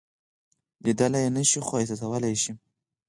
لیدلی یې نشئ خو احساسولای یې شئ.